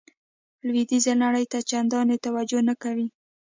لویدیځې نړۍ ته چندانې توجه نه کوي.